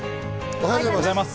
おはようございます。